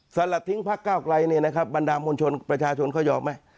ลัดทิ้งพักเก้าไกลเนี่ยนะครับบรรดามวลชนประชาชนเขายอมไหม